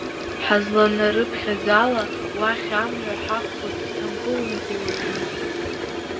Ҳазланарыԥхьаз ала уахь амҩа ҳақәлоит Сҭампылынтәи уажәы.